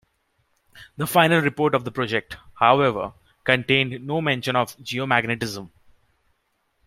The final report of the project, however, contained no mention of geomagnetism.